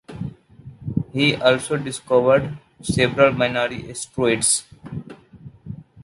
He also discovered several binary asteroids.